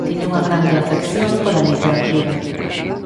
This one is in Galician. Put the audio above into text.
Tiña unha grande afección pola Literatura.